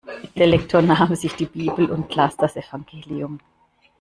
Der Lektor nahm sich die Bibel und las das Evangelium.